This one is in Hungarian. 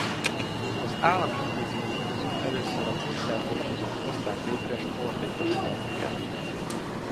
Az állami intézmények közül először a postás dolgozók hozták létre sportegyesületüket.